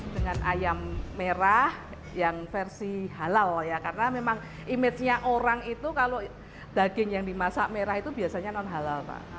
dengan ayam merah yang versi halal ya karena memang image nya orang itu kalau daging yang dimasak merah itu biasanya non halal pak